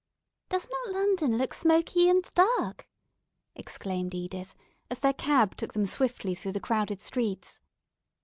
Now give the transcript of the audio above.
"Does not London look smoky and dark?" exclaimed Edith, as their cab took them swiftly through the crowded streets.